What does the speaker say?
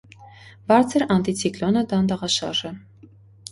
Բարձր անտիցիկլոնը դանդաղաշարժ է։